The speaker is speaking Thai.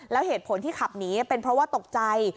แล้วเหตุผลที่ขับหนีเป็นเพราะว่าตกใจ